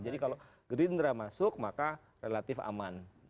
jadi kalau gerindra masuk maka relatif aman